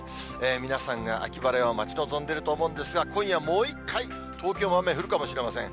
皆さんが秋晴れを待ち望んでいると思うんですが、今夜もう一回、東京も雨降るかもしれません。